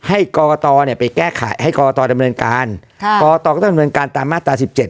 ให้กรกตเนี่ยไปแก้ไขให้กรกตดำเนินการค่ะกรกตก็ต้องดำเนินการตามมาตราสิบเจ็ด